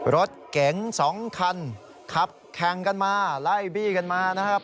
รถเก๋งสองคันขับแข่งกันมาไล่บี้กันมานะครับ